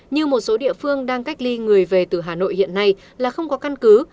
như một số địa phương đang cách ly người về từ hà nội hiện nay là không có căn cứ